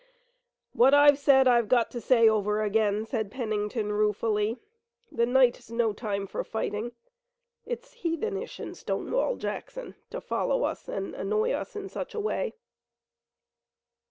"What I said I've got to say over again," said Pennington ruefully: "the night's no time for fighting. It's heathenish in Stonewall Jackson to follow us, and annoy us in such a way."